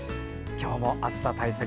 今日も暑さ対策